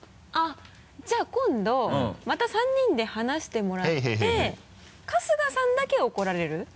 あっじゃあ今度また３人で話してもらって春日さんだけ怒られる。